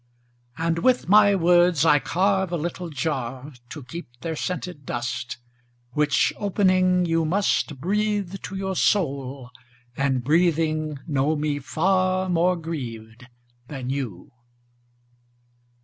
And with my words I carve a little jar To keep their scented dust, Which, opening, you must Breathe to your soul, and, breathing, know me far More grieved than you.